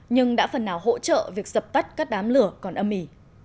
nhưng đã phần nào hỗ trợ việc dập tắt các đám lửa còn âm mỉ